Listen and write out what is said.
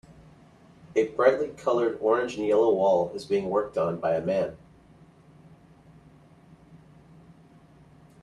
A brightly colored orange and yellow wall is being worked on by a man.